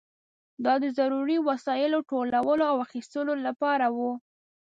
دا د ضروري وسایلو ټولولو او اخیستلو لپاره وه.